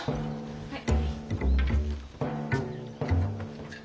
はい。